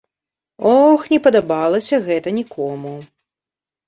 Ох, не падабалася гэта нікому.